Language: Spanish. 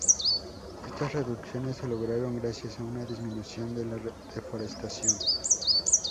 Estas reducciones se lograron gracias a una disminución de la deforestación.